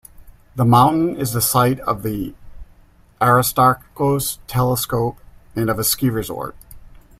The mountain is the site of the Aristarchos telescope and of a ski resort.